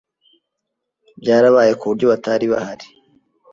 Byarabaye kuburyo batari bahari.